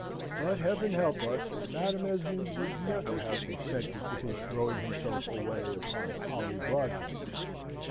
But, Heaven help us! Madam Esmond would never have consented to his throwing himself away upon Polly Broadbent.